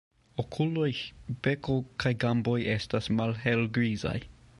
Okuloj, beko kaj gamboj estas malhelgrizaj.